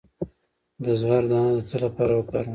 د زغر دانه د څه لپاره وکاروم؟